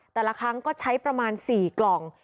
แต่ละครั้งก็ใช้ประมาณ๔กล่อง